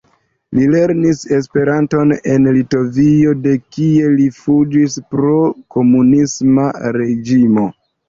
Li lernis Esperanton en Litovio de kie li fuĝis pro komunisma reĝimo.